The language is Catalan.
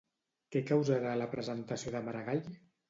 Què causarà la presentació de Maragall?